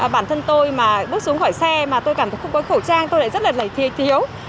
bản thân tôi mà bước xuống khỏi xe mà tôi cảm thấy không có khẩu trang tôi lại rất là thi thiếu